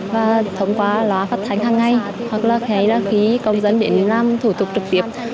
và thông qua lóa phát thánh hàng ngày hoặc là khí công dân để làm thủ tục trực tiếp